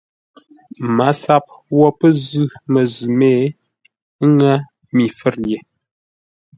MASAP wo pə́ zʉ̂ məzʉ̂ mé, ə́ ŋə́ mi fə̌r ye.